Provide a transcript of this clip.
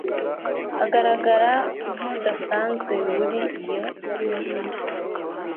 agaragara nkudasanzwe muri iyo myenda